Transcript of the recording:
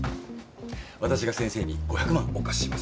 私が先生に５００万お貸しします。